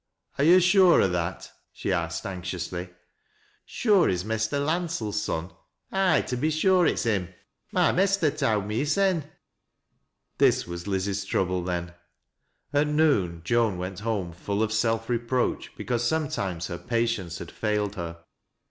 " Are yo' sure o' that ?" she asked, anxiously. " Sure he's Mester Landsell's son ? Aye, to be sure it's him. My mester towd me hissen." This was Liz's trouble, then. At noon Joan went home full of self reproach because sanetimes her patience had failed her.